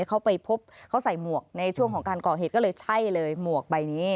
เขาไปพบเขาใส่หมวกในช่วงของการก่อเหตุก็เลยใช่เลยหมวกใบนี้